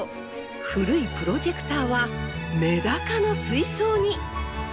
古いプロジェクターはメダカの水槽に。